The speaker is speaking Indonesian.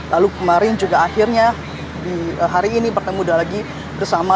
lalu kemarin juga akhirnya di hari ini bertemu udah lagi bersama